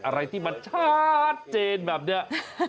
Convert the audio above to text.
อะไรที่มันชัดเจนแบบนี้